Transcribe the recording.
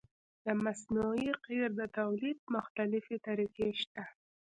د مصنوعي قیر د تولید مختلفې طریقې شته